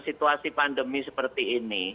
situasi pandemi seperti ini